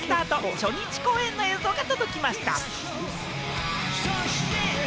初日公演の映像が届きました。